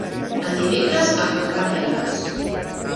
El dimecres, a comprar penques.